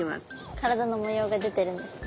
体の模様が出てるんですね。